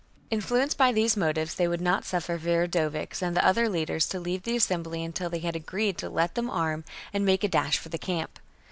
Influenced by these motives, they would not suffer Viridovix and the other leaders to leave the assembly until they had agreed to let them arm and make a dash for the camp.